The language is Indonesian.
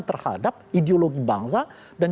terhadap ideologi bangsa dan